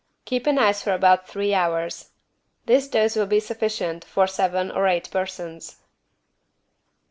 Keep in ice for about three hours. This dose will be sufficient for seven or eight persons.